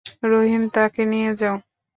রহিম, তাকে নিয়ে যাও।